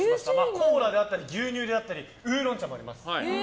コーラであったり牛乳であったりウーロン茶もあります。